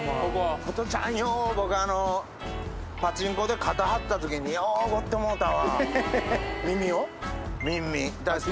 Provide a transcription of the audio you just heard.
ホトちゃん、よう僕、パチンコで勝ってはったときに、ようおごってもろたわ。